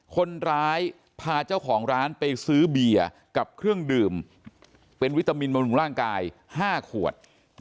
คนร้ายพาเจ้าของร้านไปซื้อเบียร์กับเครื่องดื่มเป็นวิตามินบำรุงร่างกาย๕ขวด